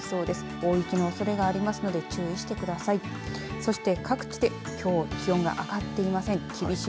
大雪のおそれがありますので注意してください。